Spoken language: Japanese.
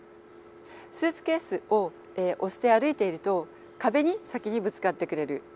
スーツケースを押して歩いていると壁に先にぶつかってくれる。